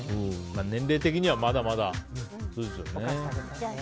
年齢的にはまだまだそうですもんね。